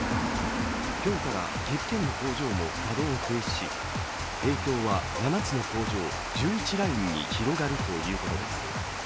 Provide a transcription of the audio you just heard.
今日から岐阜県の工場も稼働を停止し、影響は７つの工場１１ラインに広がるということです。